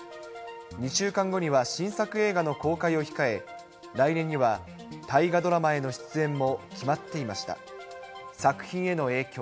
２週間後には新作映画の公開を控え、来年には大河ドラマへの出演も決まっていました。